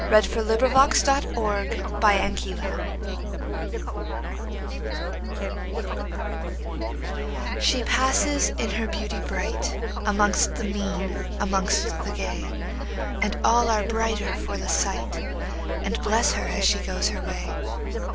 1840 The Secret SHE passes in her beauty brightAmongst the mean, amongst the gay, And all are brighter for the sight, And bless her as she goes her way.